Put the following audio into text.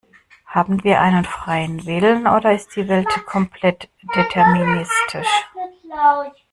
Haben wir einen freien Willen oder ist die Welt komplett deterministisch?